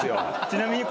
ちなみに。